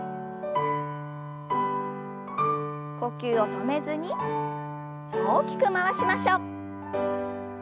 呼吸を止めずに大きく回しましょう。